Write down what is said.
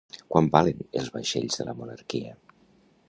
Quan valen els vaixells de la monarquia?